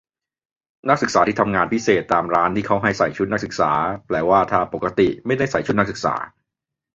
นักศึกษาที่ทำงานพิเศษตามร้านที่เขาให้ใส่ชุดนักศึกษา แปลว่าถ้าปกติไม่ได้ใส่ชุดนักศึกษา